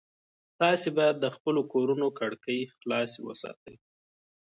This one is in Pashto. تاسي باید د خپلو کورونو کړکۍ خلاصې وساتئ.